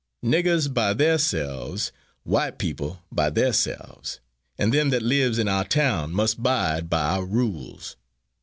Niggers by there selves, white peepul by there selves, and them that lives in our town must bide by our rules.